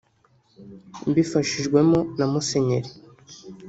mbifashijwemo na Musenyeri